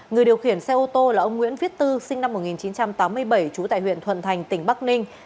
người điều khiển xe ô tô là ông nguyễn viết tư sinh năm một nghìn chín trăm tám mươi bảy trú tại huyện thuận thành tỉnh bắc ninh